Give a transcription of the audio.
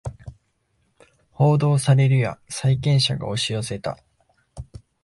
報道されるや債権者が押し寄せた